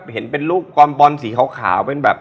เห็นเป็นรูปความบอลสีขาว